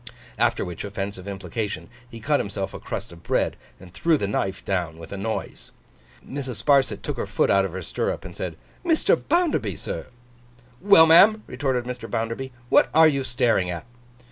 After which offensive implication, he cut himself a crust of bread, and threw the knife down with a noise. Mrs. Sparsit took her foot out of her stirrup, and said, 'Mr. Bounderby, sir!' 'Well, ma'am?' retorted Mr. Bounderby. 'What are you staring at?